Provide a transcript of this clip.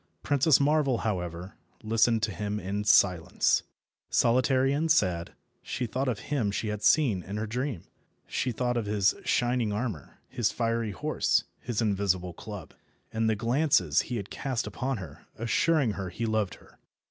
Princess Marvel, however, listened to him in silence. Solitary and sad, she thought of him she had seen in her dream. She thought of his shining armour, his fiery horse, his invisible club, and the glances he had cast upon her, assuring her he loved her.